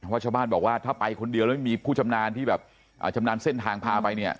ชาวบ้านบอกว่าถ้าไปคนเดียวแล้วไม่มีผู้ชำนาญที่แบบชำนาญเส้นทางพาไปเนี่ย